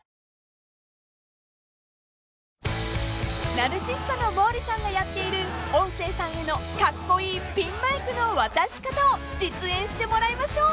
［ナルシストの毛利さんがやっている音声さんへのカッコイイピンマイクの渡し方を実演してもらいましょう］